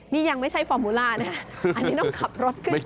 นี่ยังไม่ใช่ฟอร์มูล่านะคะอันนี้ต้องขับรถขึ้น